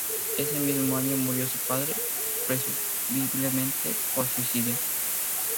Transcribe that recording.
Ese mismo año murió su padre, presumiblemente por suicidio.